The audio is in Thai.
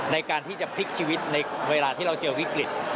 ในการที่จะพลิกชีวิตในเวลาที่เราเจอวิกฤต